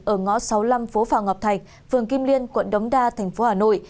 ở ngõ sáu mươi năm phố phạm ngọc thành vườn kim liên quận đống đa thành phố hà nội